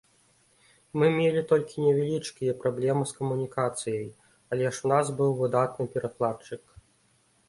Мы мелі толькі невялічкія праблемы з камунікацыяй, але ж у нас быў выдатны перакладчык.